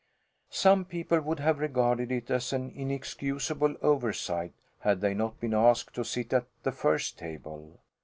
Some people would have regarded it as an inexcusable oversight had they not been asked to sit at the first table.